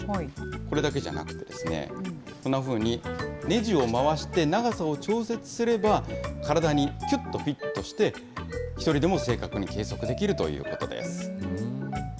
これだけじゃなくてですね、こんなふうにねじを回して、長さを調節すれば、体にきゅっとフィットして、１人でも正確に計測できるということです。